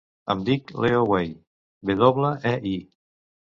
Em dic Leo Wei: ve doble, e, i.